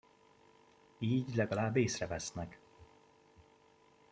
Így legalább észrevesznek.